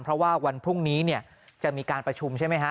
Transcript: เพราะว่าวันพรุ่งนี้จะมีการประชุมใช่ไหมฮะ